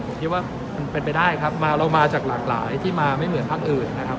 ผมคิดว่ามันเป็นไปได้ครับเรามาจากหลากหลายที่มาไม่เหมือนพักอื่นนะครับ